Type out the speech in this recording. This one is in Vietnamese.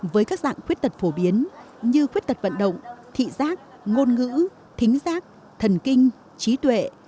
với các dạng khuyết tật phổ biến như khuyết tật vận động thị giác ngôn ngữ thính giác thần kinh trí tuệ